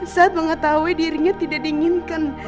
saat mengetahui dirinya tidak diinginkan